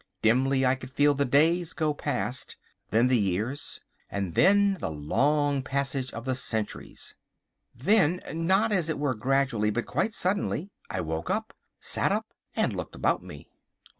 Dimly I could feel the days go past, then the years, and then the long passage of the centuries. Then, not as it were gradually, but quite suddenly, I woke up, sat up, and looked about me.